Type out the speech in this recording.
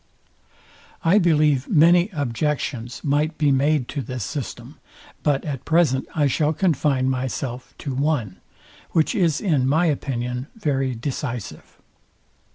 I believe many objections might be made to this system But at present I shall confine myself to one, which is in my opinion very decisive.